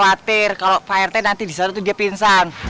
bukan kalau atir kalau pak rt nanti disana tuh dia pingsan